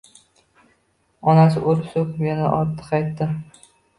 Onasi urib-so‘kib yana ortiga qaytdi.